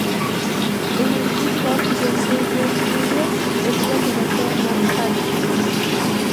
En el kick-off de Survivor Series, Elias derrotó a Matt Hardy.